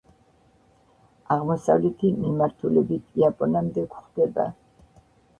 აღმოსავლეთი მიმართულებით იაპონიამდე გვხვდება.